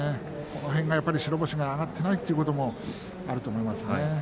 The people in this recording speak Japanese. この辺が白星が挙がっていないということもあると思います。